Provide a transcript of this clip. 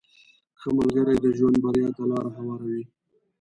• ښه ملګری د ژوند بریا ته لاره هواروي.